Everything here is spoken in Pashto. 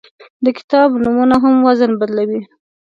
د کتاب نومونه هم وزن بدلوي.